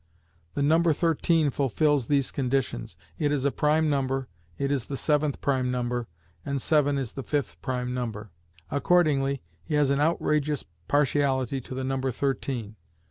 The number thirteen fulfils these conditions: it is a prime number, it is the seventh prime number, and seven is the fifth prime number. Accordingly he has an outrageous partiality to the number thirteen.